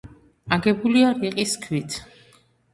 აგებულია რიყის ქვით.